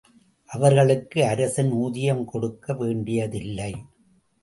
அவர்களுக்கு அரசன் ஊதியம் கொடுக்க வேண்டியதில்லை.